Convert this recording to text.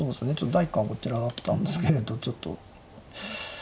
第一感はこちらだったんですけれどちょっと。